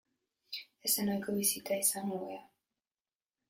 Ez zen ohiko bisita izan ordea.